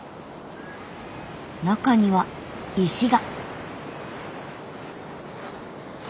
中には石が。